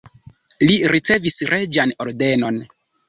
Li ricevis reĝan ordenon.